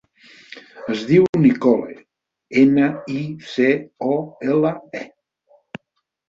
Es diu Nicole: ena, i, ce, o, ela, e.